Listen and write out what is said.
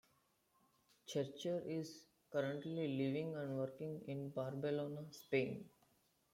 Churcher is currently living and working in Barcelona, Spain.